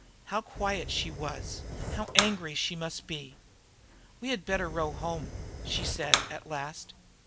How quiet she was! How angry she must be! "We had better row home," she said, at last.